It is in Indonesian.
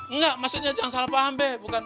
enggak maksudnya jangan salah paham